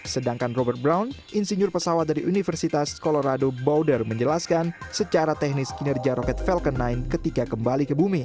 sedangkan robert brown insinyur pesawat dari universitas colorado bowder menjelaskan secara teknis kinerja roket falcon sembilan ketika kembali ke bumi